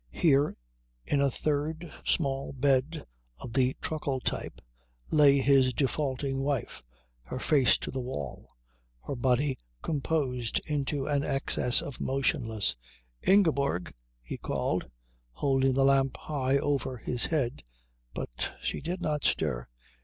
Here, in a third small bed of the truckle type, lay his defaulting wife, her face to the wall, her body composed into an excess of motionlessness. "Ingeborg!" he called, holding the lamp high over his head. But she did not stir.